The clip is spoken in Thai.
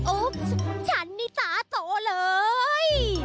โอ๊บฉันมีตาโตเลย